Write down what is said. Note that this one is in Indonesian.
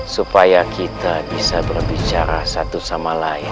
supaya kita bisa berbicara satu sama lain